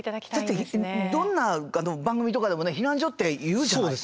だってどんな番組とかでも避難所って言うじゃない？